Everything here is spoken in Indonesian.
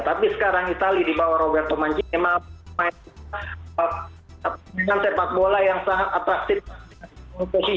tapi sekarang itali di bawah roberto mancini memang main dengan tempat bola yang sangat atraktif